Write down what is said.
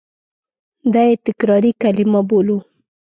دا یې تکراري کلیمه بولو.